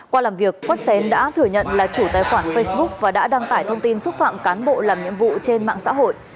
qua làm việc quất xén đã thừa nhận là chủ tài khoản facebook và đã đăng tải thông tin xúc phạm cán bộ làm nhiệm vụ trên mạng xã hội